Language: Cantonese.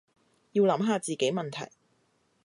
要諗下自己問題